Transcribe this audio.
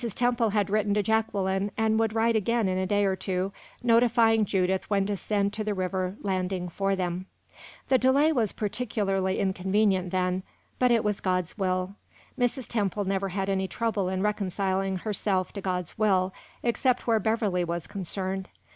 Temple had written to Jacqueline, and would write again in a day or two, notifying Judith when to send to the river landing for them. The delay was peculiarly inconvenient then, but it was God's will. Mrs. Temple never had any trouble in reconciling herself to God's will, except where Beverley was concerned.